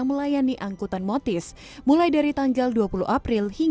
pendaftaran angkutan motor gratis atau dikenal motis ini bisa dilakukan secara online